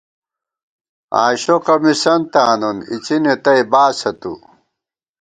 آشوقہ مِسَنتہ آنون اِڅِنے تئی باسہ تُو